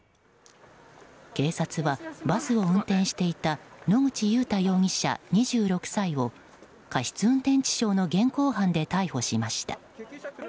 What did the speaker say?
警察は、バスを運転していた野口祐太容疑者、２６歳を過失運転致傷の現行犯で逮捕しました。